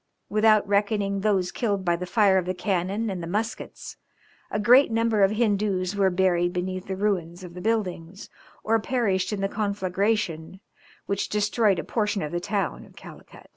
Without reckoning those killed by the fire of the cannon and the muskets, a great number of Hindoos were buried beneath the ruins of the buildings, or perished in the conflagration, which destroyed a portion of the town of Calicut.